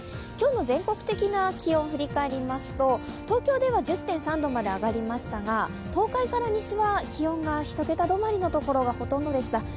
今日の全国的な気温、振り返りますと東京では１０．３度まで上がりましたが、東海から西は気温が１桁止まりのところがほとんどでした。